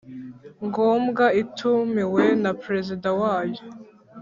ngombwa itumiwe na Perezida wayo